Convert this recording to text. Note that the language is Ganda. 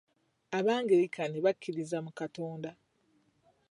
Ab'agirikaani bakkiririza mu Katonda.